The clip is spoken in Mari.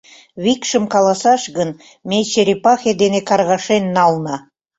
Викшым каласаш гын, ме черепахе дене каргашен нална.